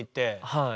はい。